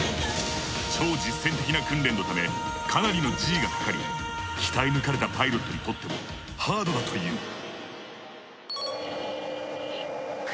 超実戦的な訓練のためかなりのＧがかかり鍛え抜かれたパイロットにとってもハードだという。